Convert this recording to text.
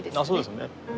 そうですね。